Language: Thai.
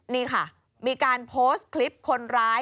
นี่ค่ะมีการโพสต์คลิปคนร้าย